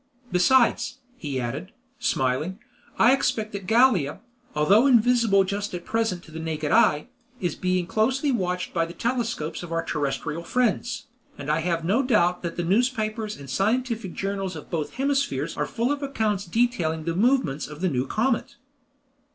Besides," he added, smiling, "I expect that Gallia, although invisible just at present to the naked eye, is being closely watched by the telescopes of our terrestrial friends, and I have no doubt that the newspapers and scientific journals of both hemispheres are full of accounts detailing the movements of the new comet."